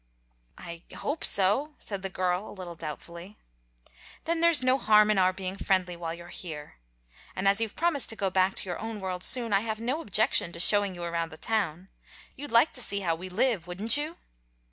"I hope so," said the girl, a little doubtfully. "Then there's no harm in our being friendly while you're here. And as you've promised to go back to your own world soon, I have no objection to showing you around the town. You'd like to see how we live, wouldn't you?"